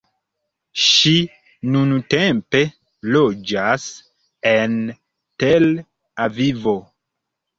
Ŝi nuntempe loĝas en Tel Avivo.